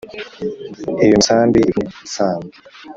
iyo misambi ivune sambwe